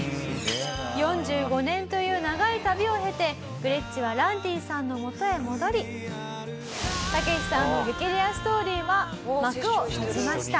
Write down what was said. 「４５年という長い旅を経てグレッチはランディさんのもとへ戻りタケシさんの激レアストーリーは幕を閉じました」